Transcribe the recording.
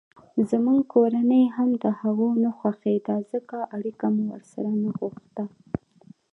زموږ کورنۍ هم دهغو نه خوښېدله ځکه اړیکه مو ورسره نه غوښته.